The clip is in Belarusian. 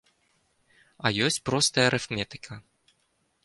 А ёсць простая арыфметыка.